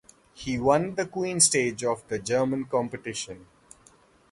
He won the queen-stage of the German competition.